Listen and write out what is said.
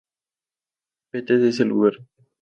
Vete de este lugar.